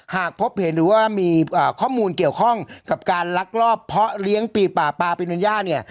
หากพบเห็นหรือว่ามีข้อมูลเกี่ยวข้องกับการลักลอบเพาะเลี้ยงปีป่าปาปีนัญญาเนี่ย